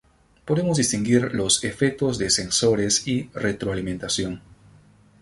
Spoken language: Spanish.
Podemos distinguir los efectos de sensores y retroalimentación.